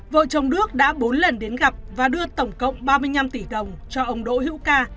vợ chồng đức đã bốn lần đến gặp và đưa tổng cộng ba mươi năm tỷ đồng cho ông đỗ hữu ca